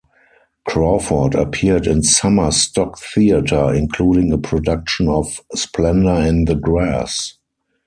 Crawford appeared in summer stock theatre, including a production of "Splendor in the Grass".